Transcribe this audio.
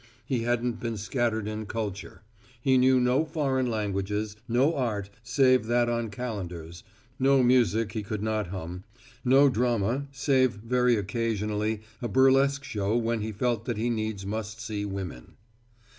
He hadn't been scattered in culture. He knew no foreign languages, no art save that on calendars, no music he could not hum, no drama save very occasionally a burlesque show when he felt that he needs must see women.